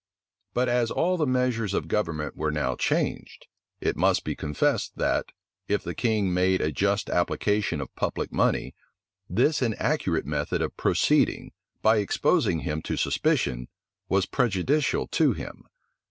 But as all the measures of government were now changed, it must be confessed that, if the king made a just application of public money, this inaccurate method of proceeding, by exposing him to suspicion, was prejudicial to him.